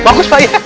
bagus pak ya